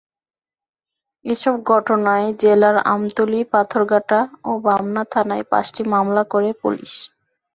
এসব ঘটনায় জেলার আমতলী, পাথরঘাটা ওবামনা থানায় পাঁচটি মামলা করে পুলিশ।